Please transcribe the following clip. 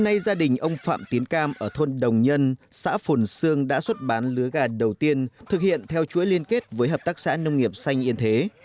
hôm nay gia đình ông phạm tiến cam ở thôn đồng nhân xã phồn xương đã xuất bán lứa gà đầu tiên thực hiện theo chuỗi liên kết với hợp tác xã nông nghiệp xanh yên thế